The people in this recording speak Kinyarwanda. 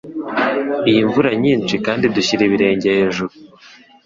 iyi mvura nyinshi kandi dushyira ibirenge hejuru